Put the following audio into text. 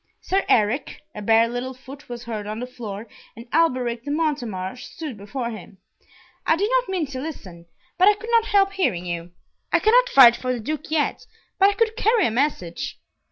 "Sir Eric;" a bare little foot was heard on the floor, and Alberic de Montemar stood before him. "I did not mean to listen, but I could not help hearing you. I cannot fight for the Duke yet, but I could carry a message."